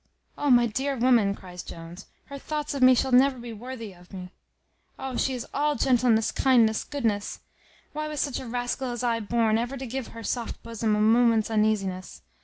"O my dear woman!" cries Jones, "her thoughts of me I shall never be worthy of. Oh, she is all gentleness, kindness, goodness! Why was such a rascal as I born, ever to give her soft bosom a moment's uneasiness?